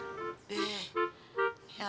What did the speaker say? gak perlu diantar